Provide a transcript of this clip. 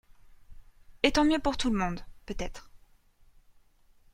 Et tant mieux pour tout le monde, peut-être.